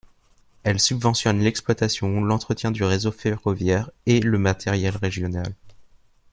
Elles subventionnent l’exploitation, l’entretien du réseau ferroviaire et le matériel régional.